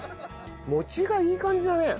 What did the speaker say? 餅がいい感じだね。